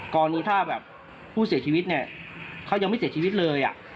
กรณีถ้าแบบผู้เสียชีวิตเนี่ยเขายังไม่เสียชีวิตเลย